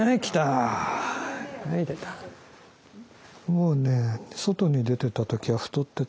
もうね外に出てた時は太ってた。